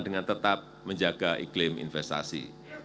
dengan tetap menjaga iklim investasi